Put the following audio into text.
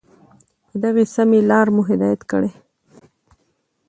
په دغي سمي لار مو هدايت كړې